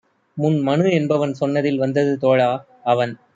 முன்-மனு என்பவன் சொன்னதில் வந்தது தோழா - அவன்